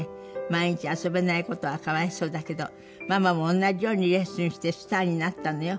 「毎日遊べない事はかわいそうだけどママも同じようにレッスンしてスタアになったのよ。